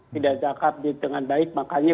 tidak zakat dengan baik makanya